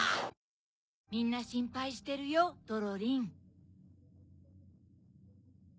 みんなしんぱいしてるよドロリン。